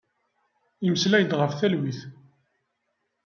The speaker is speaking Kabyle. Immeslay-d ɣef talwit.